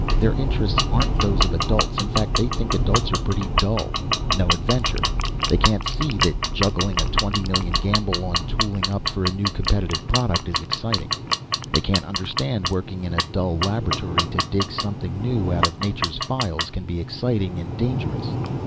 Their interests aren't those of adults. In fact, they think adults are pretty dull. No adventure. They can't see that juggling a twenty million gamble on tooling up for a new competitive product is exciting; they can't understand working in a dull laboratory to dig something new out of nature's files can be exciting and dangerous.